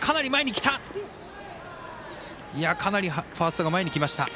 かなりファーストが前に来ました。